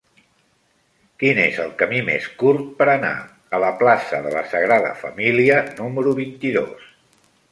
Quin és el camí més curt per anar a la plaça de la Sagrada Família número vint-i-dos?